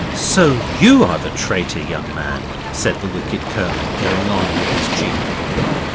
'So you are the traitor, young man,' said the wicked Colonel, going on with his cheek.